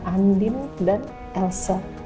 mbak andin dan elsa